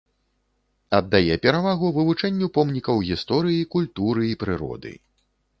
Аддае перавагу вывучэнню помнікаў гісторыі, культуры і прыроды.